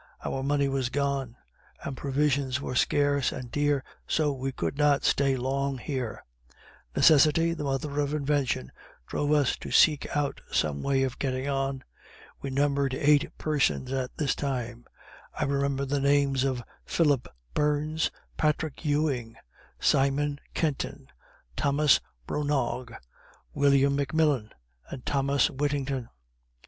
Our money was gone, and provisions were scarce and dear, so we could not stay long here. Necessity, the mother of invention, drove us to seek out some way of getting on. We numbered eight persons at this time; I remember the names of Philip Burns, Patrick Ewing, Simon Kenton, Thomas Bronaugh, William McMillan and Thomas Whittington.